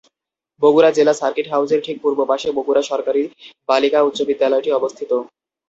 বগুড়া জেলা সার্কিট হাউজের ঠিক পূর্ব পাশে বগুড়া সরকারী বালিকা উচ্চ বিদ্যালয়টি অবস্থিত।